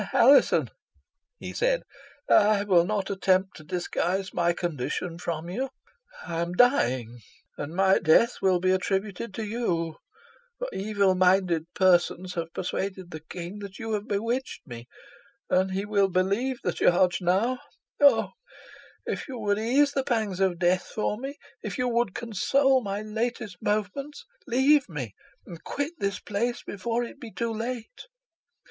"Alizon," he said, "I will not attempt to disguise my condition from you. I am dying. And my death will be attributed to you for evil minded persons have persuaded the King that you have bewitched me, and he will believe the charge now. Oh! if you would ease the pangs of death for me if you would console my latest moments leave me, and quit this place, before it be too late."